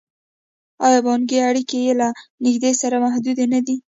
آیا بانکي اړیکې یې له نړۍ سره محدودې نه دي؟